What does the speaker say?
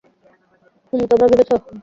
হুম, তোমরা ভেবেছ?